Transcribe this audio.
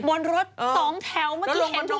บนรถ๒แถวเมื่อกี้เห็นทุกคน